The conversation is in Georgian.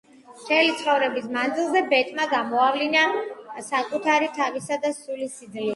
მთელი ცხოვრების მანძილზე, ბეტმა გამოავლინა საკუთარი თავისა და სულის სიძლიერე.